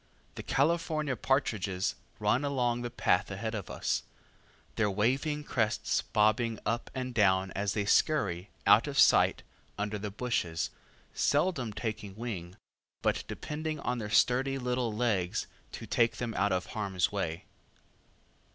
The California partridges run along the path ahead of us, their waving crests bobbing up and down as they scurry out of sight under the bushes, seldom taking wing, but depending on their sturdy little legs to take them out of harm's way.